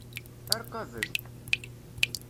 Ar qabel!